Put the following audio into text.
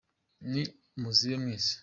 Ni muzibe mwese.